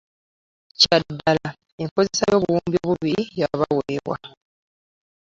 Kya ddala, enkozesa y'obuwumbi obubiri yabaweebwa